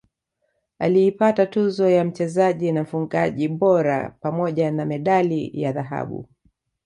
aliipata tuzo ya mchezaji na mfungaji bora pamoja na medali ya dhahabu